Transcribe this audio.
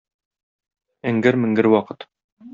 Эңгер-меңгер вакыт.